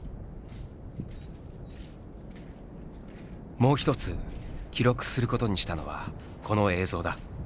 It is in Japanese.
もう一つ記録することにしたのはこの映像だ。